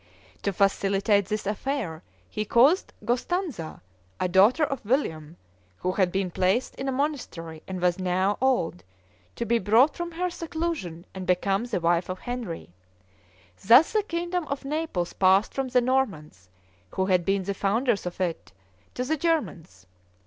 To facilitate this affair, he caused Gostanza, a daughter of William, who had been placed in a monastery and was now old, to be brought from her seclusion and become the wife of Henry. Thus the kingdom of Naples passed from the Normans, who had been the founders of it, to the Germans.